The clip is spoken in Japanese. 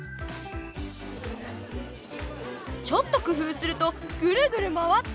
ちょっと工夫するとグルグル回った！